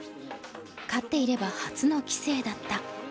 勝っていれば初の棋聖だった。